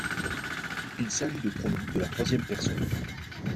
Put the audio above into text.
Il s'agit de pronoms de la troisième personne.